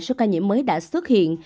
số ca nhiễm mới đã xuất hiện